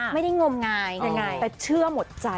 ไม่ได้งมง่ายง่ายแต่เชื่อหมดใจ